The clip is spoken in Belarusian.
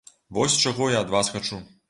Вось чаго я ад вас хачу.